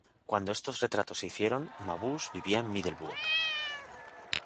Cuando estos retratos se hicieron, Mabuse vivía en Middelburg.